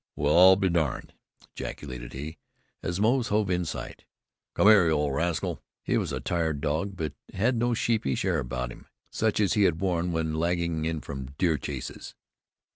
"Well, I'll be darned!" ejaculated he, as Moze hove in sight. "Come hyar, you rascal!" He was a tired dog, but had no sheepish air about him, such as he had worn when lagging in from deer chases.